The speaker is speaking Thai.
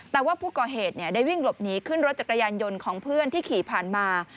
แต่ว่าผู้ก่อเหตุได้วิ่งหลบหนีขึ้นรถจักรยานยนต์ของเพื่อนที่ขี่ผ่านมา